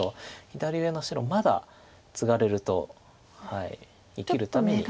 左上の白まだツガれると生きるために。